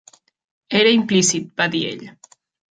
"Era implícit", va dir ell.